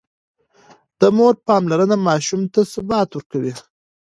د مور پاملرنه ماشوم ته ثبات ورکوي.